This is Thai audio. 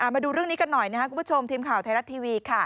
มาดูเรื่องนี้กันหน่อยนะครับคุณผู้ชมทีมข่าวไทยรัฐทีวีค่ะ